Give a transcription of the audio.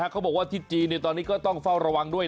เขาบอกว่าที่จีนตอนนี้ก็ต้องเฝ้าระวังด้วย